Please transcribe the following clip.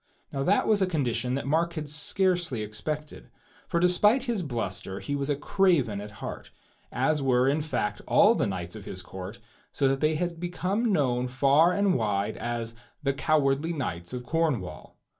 Now that was a condition that Mark had scarcely expected, for despite his bluster he was a craven at heart, as were, in fact, all the knights of his court, so that they had become known far and wide as "the cowardly knights of Cornwall."